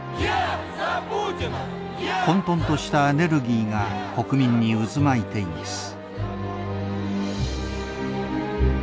混とんとしたエネルギーが国民に渦巻いています。